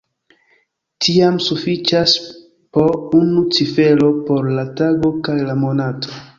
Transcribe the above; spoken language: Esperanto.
Tiam sufiĉas po unu cifero por la tago kaj la monato.